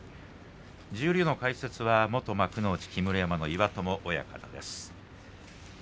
十両の解説は元幕内木村山の岩友親方です。